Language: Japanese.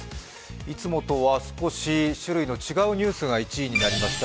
いつもとは少し種類の違うニュースが１位になりました。